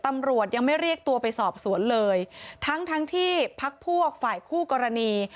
ตำรวจยังไม่เรียกตัวไปสอบสวนเลยทั้งทั้งที่พักพวกฝ่ายคู่กรณี